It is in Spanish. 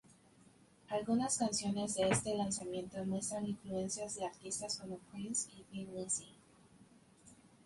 Algunas canciones de este lanzamiento muestran influencias de artistas como Prince y Thin Lizzy.